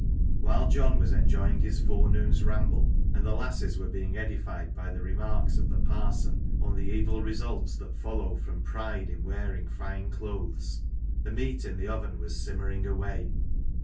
While John was enjoying his forenoon's ramble, and the lasses were being edified by the remarks of the parson on the evil results that follow from pride in wearing fine clothes, the meat in the oven was simmering away.